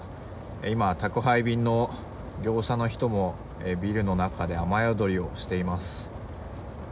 今、宅配便の業者の人もビルの中で雨宿りをしています。